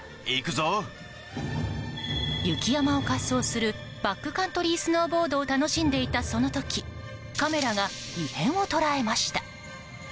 雪山を滑走するバックカントリースノーボードを楽しんでいた、その時カメラが異変を捉えました。